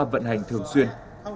vận hành thường xuyên